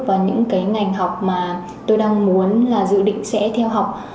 và những cái ngành học mà tôi đang muốn là dự định sẽ theo học